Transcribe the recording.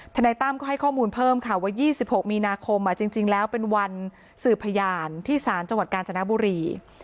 นายตั้มก็ให้ข้อมูลเพิ่มค่ะว่า๒๖มีนาคมจริงแล้วเป็นวันสืบพยานที่ศาลจังหวัดกาญจนบุรี